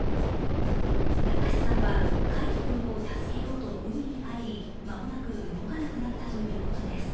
隆さんは櫂斗君を助けようと海に入り間もなく動かなくなったということです。